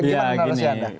gimana menurut anda